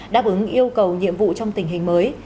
đáp ứng yêu cầu nhiệm vụ trong tình hình mới